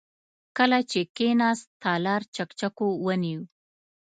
کله چې کېناست، تالار چکچکو ونيو.